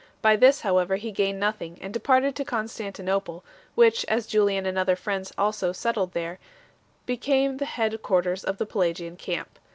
By this however he gained nothing, and departed to Constantinople, which, as Julian and other friends also settled there, became the head quarters of the Pelagian camp.